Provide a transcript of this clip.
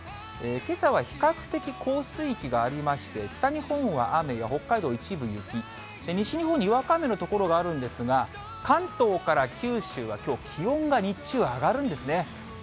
けさは比較的降水域がありまして、北日本は雨や、北海道は一部雪、西日本ににわか雨の所があるんですが、関東から九州はきょう、気温が日中上がるんですね。